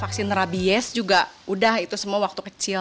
vaksin rabies juga sudah itu semua waktu kecil